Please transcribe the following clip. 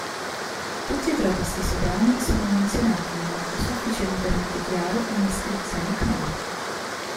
Tutti e tre questi sovrani sono menzionati in modo sufficientemente chiaro in iscrizioni Khmer.